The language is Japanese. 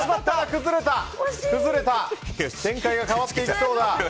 展開が変わっていきそうだ。